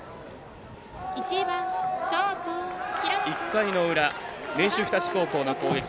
１回の裏明秀日立高校の攻撃。